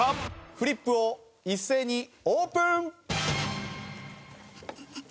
フリップを一斉にオープン。